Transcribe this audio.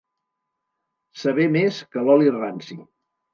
Saber més que l'oli ranci.